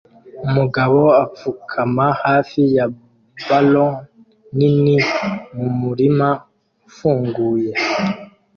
Umugabo apfukama hafi ya ballon nini mumurima ufunguye